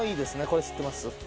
これ知ってます？